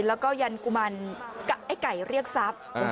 แล้วก็ยันกุมารไอ้ไก่เรียกทรัพย์